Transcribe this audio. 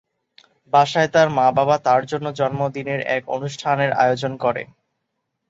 বাসায় তার মা-বাবা তার জন্য জন্মদিনের এক অনুষ্ঠানের আয়োজন করে।